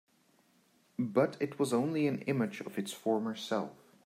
But it was only an image of its former self.